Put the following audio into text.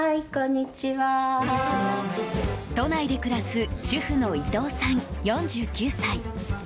都内で暮らす主婦の伊藤さん、４９歳。